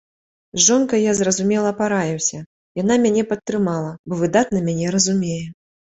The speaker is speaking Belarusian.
З жонкай я, зразумела, параіўся, яна мяне падтрымала, бо выдатна мяне разумее.